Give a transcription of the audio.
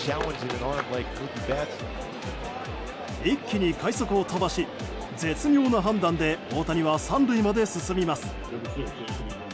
一気に快足を飛ばし絶妙な判断で大谷は３塁まで進みます。